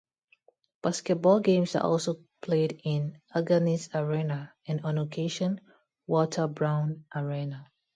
Basketball games are also played in Agganis Arena, and on occasion Walter Brown Arena.